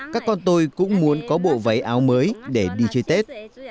các con tôi cũng muốn có bộ váy áo mới để đi chơi tết